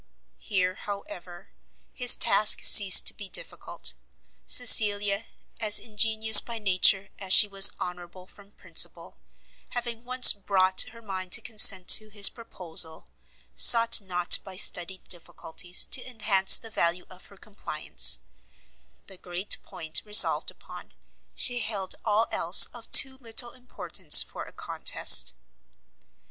Here, however, his task ceased to be difficult; Cecilia, as ingenuous by nature as she was honourable from principle, having once brought her mind to consent to his proposal, sought not by studied difficulties to enhance the value of her compliance; the great point resolved upon, she held all else of too little importance for a contest.